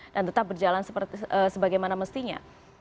dan tetap berjalan sebagaimana mestinya